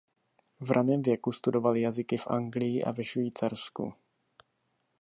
V raném věku studoval jazyky v Anglii a ve Švýcarsku.